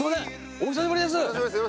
お久しぶりです。